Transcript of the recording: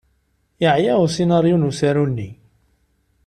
Yeɛya usinaryu n usaru-nni.